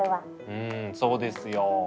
うんそうですよ。